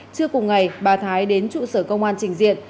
trưa cùng ngày bà thái đến trụ sở công an trình diện